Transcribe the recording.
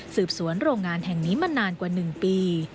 สวนโรงงานแห่งนี้มานานกว่า๑ปี